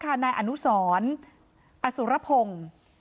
นายอนุสรอสุรพงศ์